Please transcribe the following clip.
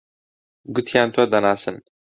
گوتیان تۆ دەناسن.